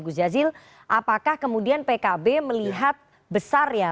gus jazil apakah kemudian pkb melihat besar ya